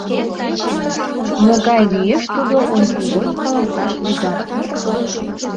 Могай лиеш тудо — ончылгоч каласаш лӱдам.